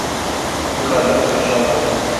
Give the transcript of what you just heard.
Yukarı, aşağı.